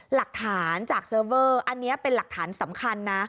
หลักฐานจากเซิร์ฟเวอร์อันนี้เป็นหลักฐานสำคัญนะ